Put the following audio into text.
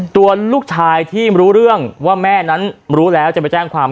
ตัวลูกชายที่รู้เรื่องว่าแม่นั้นรู้แล้วจะไปแจ้งความ